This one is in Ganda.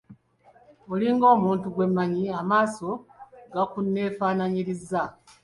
Olinga omuntu gwe mmanyi, amaaso gakunneefaanaanyirizza.